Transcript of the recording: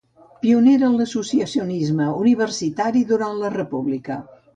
Pionera en l'associacionisme universitari durant la república.